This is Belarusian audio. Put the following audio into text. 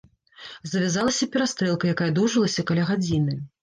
Завязалася перастрэлка, якая доўжылася каля гадзіны.